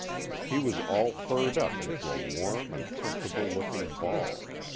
He was all furred up into a warm and comfortable looking ball.